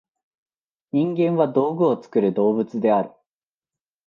人間は「道具を作る動物」である。